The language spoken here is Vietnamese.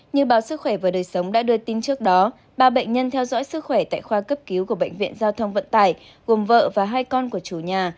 như báo sức khỏe và đời sống đã đưa tin trước đó ba bệnh nhân theo dõi sức khỏe tại khoa cấp cứu của bệnh viện giao thông vận tải gồm vợ và hai con của chủ nhà